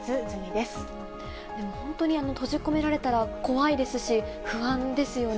でも本当に閉じ込められたら怖いですし、不安ですよね。